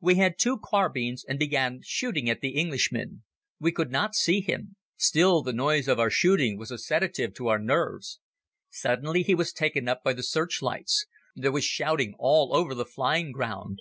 We had two carbines and began shooting at the Englishman. We could not see him. Still the noise of our shooting was a sedative to our nerves. Suddenly he was taken up by the searchlights. There was shouting all over the flying ground.